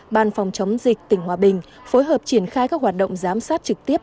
ban phòng chống dịch tỉnh hòa bình phối hợp triển khai các hoạt động giám sát trực tiếp